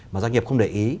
mà doanh nghiệp không để ý